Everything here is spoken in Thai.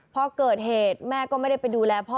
พอเกิดเหตุแม่ก็ไม่ได้ไปดูแลพ่อ